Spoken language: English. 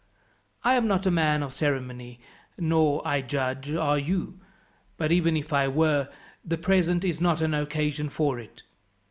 "I am not a man of ceremony, nor, I judge, are you; but even if I were, the present is not an occasion for it.